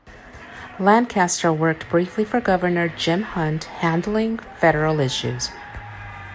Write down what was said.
Lancaster worked briefly for Governor Jim Hunt handling federal issues.